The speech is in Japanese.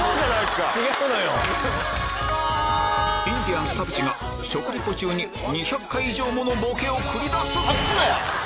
インディアンス・田渕が食リポ中に２００回以上ものボケを繰り出す